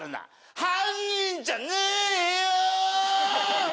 犯人じゃねえよ！